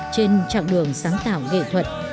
trên trạng đường sáng tạo nghệ thuật